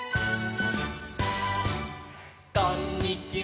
「こんにちは」